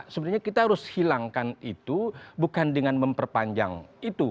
sebenarnya kita harus hilangkan itu bukan dengan memperpanjang itu